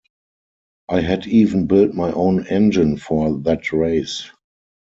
I had even built my own engine for that race.